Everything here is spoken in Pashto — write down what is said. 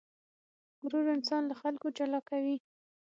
غرور انسان له خلکو جلا کوي.